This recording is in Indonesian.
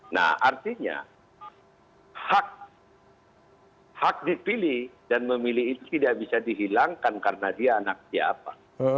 nah artinya hak dipilih dan memilih itu tidak bisa dihilangkan karena dia anak siapa